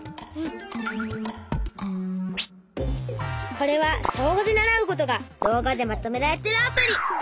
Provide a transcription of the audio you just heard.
これは小５で習うことが動画でまとめられてるアプリ。